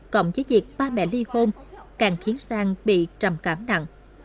cộng với việc ba mẹ ly hôn càng khiến sang bị trầm cảm nặng